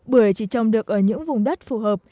bưởi chỉ trồng được ở những vùng đất phù hợp